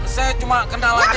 saya cuma kenal aja